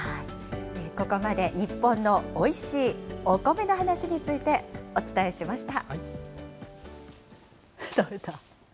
ここまで日本のおいしいお米の話についてお伝えしました。